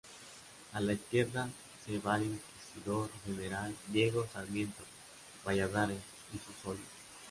A la izquierda se ve al inquisidor general, Diego Sarmiento Valladares, y su solio.